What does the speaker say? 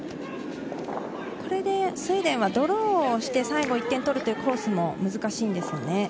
これでスウェーデンはドローして最後１点取るというコースも難しいんですよね。